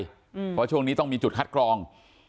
เพราะช่วงนี้ต้องมีจุดคัดกรอง